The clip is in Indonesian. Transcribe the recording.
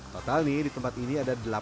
total nih di tempat ini ada delapan hewan